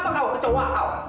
sama kau kecoba kau